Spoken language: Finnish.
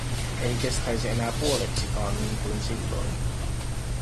Ei kestäisi enää puoleksikaan niinkuin silloin.